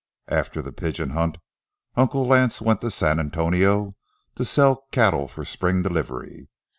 After the pigeon hunt, Uncle Lance went to San Antonio to sell cattle for spring delivery.